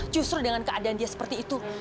justru dengan keadaan dia seperti itu